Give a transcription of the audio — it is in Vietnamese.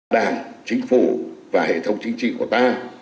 đảng chính phủ và hệ thống chính trị của ta